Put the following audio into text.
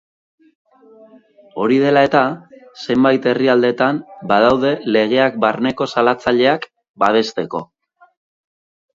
Hori dela-eta zenbait herrialdetan badaude legeak barneko salatzaileak babesteko.